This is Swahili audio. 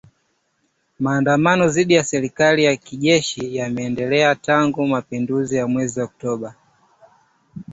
Maandamano dhidi ya serikali ya kijeshi yameendelea tangu mapinduzi ya mwezi Oktoba.